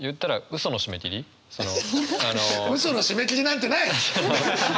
ウソの締め切りなんてない！